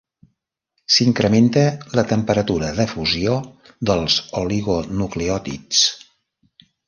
S'incrementa la temperatura de fusió dels oligonucleòtids.